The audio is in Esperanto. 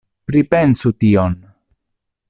Pripensu tion!